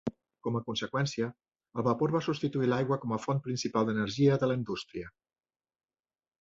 Com a conseqüència, el vapor va substituir l'aigua com a font principal d'energia de la indústria.